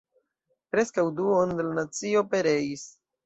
Preskaŭ duono de la nacio pereis.